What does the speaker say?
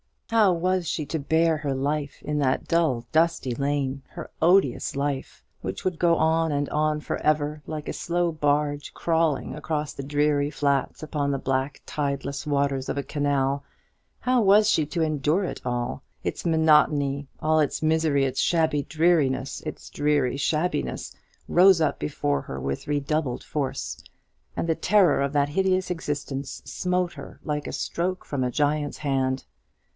How was she to bear her life in that dull dusty lane her odious life, which would go on and on for ever, like a slow barge crawling across dreary flats upon the black tideless waters of a canal? How was she to endure it? All its monotony, all its misery, its shabby dreariness, its dreary shabbiness, rose up before her with redoubled force; and the terror of that hideous existence smote her like a stroke from a giant's hand.